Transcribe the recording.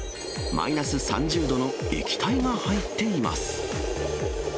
マイナス３０度の液体が入っています。